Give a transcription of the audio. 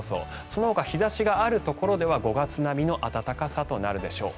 そのほか日差しがあるところでは５月並みの暖かさとなるでしょう。